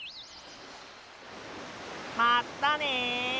まったね！